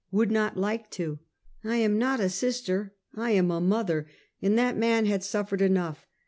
Would not like to." " I am not a sister, I am a mother; and that man had suffered enough.